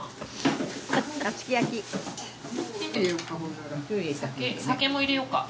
「酒酒も入れようか」